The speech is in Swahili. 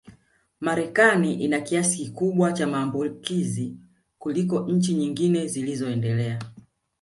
Marekani ina kiasi kikubwa cha maambukizi kuliko nchi nyingine zilizoendelea